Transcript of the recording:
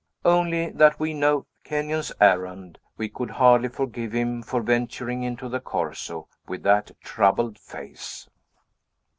Only that we know Kenyon's errand, we could hardly forgive him for venturing into the Corso with that troubled face.